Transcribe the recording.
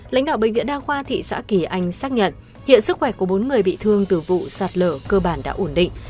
lãnh đạo bệnh viện đa khoa thị xã kỳ anh xác nhận hiện sức khỏe của bốn người bị thương từ vụ sạt lở cơ bản đã ổn định